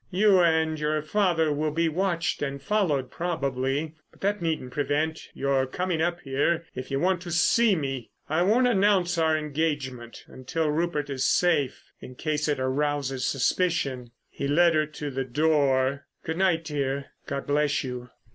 You and your father will be watched and followed, probably, but that needn't prevent your coming up here if you want to see me. I won't announce our engagement until Rupert is safe, in case it arouses suspicion." He led her to the door. "Good night, dear. God bless you."